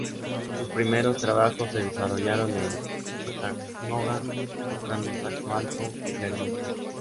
Sus primeros trabajos se desarrollaron en Chattanooga, tocando saxo alto y clarinete.